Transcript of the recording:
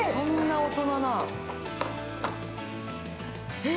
えっ！？